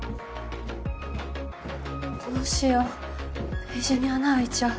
どうしようページに穴あいちゃう。